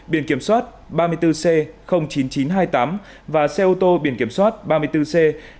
biển kiểm soát ba mươi bốn c chín nghìn chín trăm hai mươi tám và xe ô tô biển kiểm soát ba mươi bốn c hai mươi nghìn hai trăm linh sáu